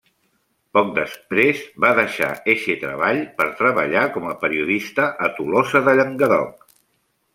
Poc després, va deixar eixe treball per treballar com a periodista a Tolosa de Llenguadoc.